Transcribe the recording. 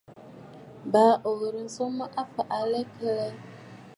Baa ò ghɨ̀rə nswoŋ mə o fɛ̀ʼ̀ɛ̀ aa a lɛ kə lɛ?